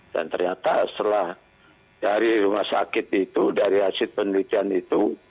dan ternyata setelah dari rumah sakit itu dari hasil penelitian itu